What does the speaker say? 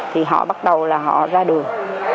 thì họ bắt đầu là họ ra đường